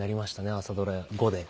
朝ドラ後で。